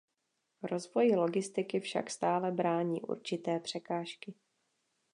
Rozvoji logistiky však stále brání určité překážky.